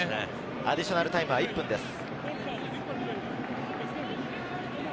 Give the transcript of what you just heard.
アディショナルタイムは１分です。